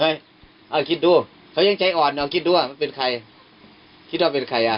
อ่าคิดดูเขายังใจอ่อนเอาคิดดูว่ามันเป็นใครคิดว่าเป็นใครอ่ะ